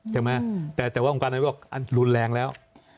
แต่ว่าองค์การนำไว้โรคอันรุนแรงแล้ว